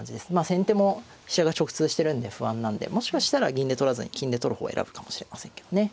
先手も飛車が直通してるんで不安なんでもしかしたら銀で取らずに金で取る方を選ぶかもしれませんけどね。